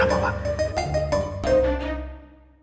saya mau berbicara sama si odin